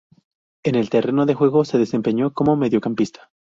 En el terreno de juego se desempeñó como mediocampista.